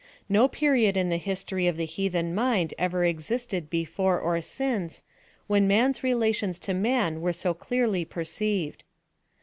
No period in the history of the hea then mind ever existed before or since, when man's relations to man were so clearly perceived.